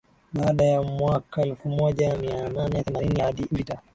Baada ya mwaka elfumoja mianane themanini hadi Vita